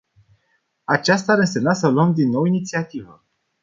Aceasta ar însemna să luăm din nou inițiativa.